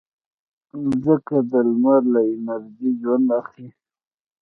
مځکه د لمر له انرژي ژوند اخلي.